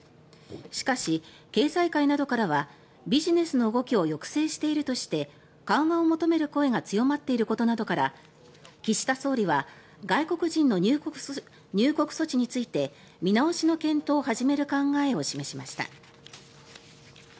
しかし、経済界などからはビジネスの動きを抑制しているとして緩和を求める声が強まっていることなどから岸田総理は外国人の入国措置について見直しの検討を始める考えを示しました。